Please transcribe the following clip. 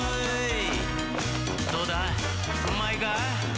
「どうだ？うまいか？」